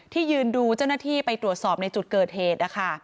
ยืนดูเจ้าหน้าที่ไปตรวจสอบในจุดเกิดเหตุนะคะ